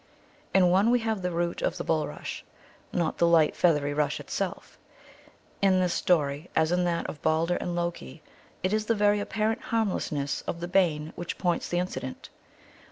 In one we have the root of the bulrush, not the light, feathery rush itself. In this story, as in that of Balder and Loki, it is the very apparent harmlessness of the bane which points the incident.